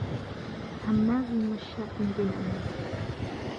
هَمَّازٍ مَشَّاءٍ بِنَمِيمٍ